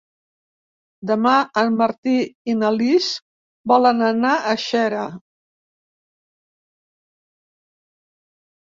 Demà en Martí i na Lis volen anar a Xera.